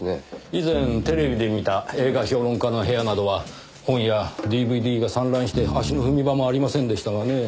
以前テレビで見た映画評論家の部屋などは本やＤＶＤが散乱して足の踏み場もありませんでしたがねぇ。